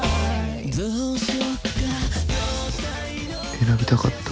選びたかった？